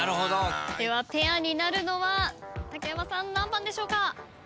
ではペアになるのは竹山さん何番でしょうか？